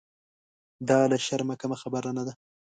دا له شرمه کمه خبره نه ده.